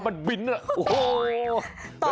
กับมันบินโอ้โห